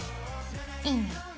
いいね。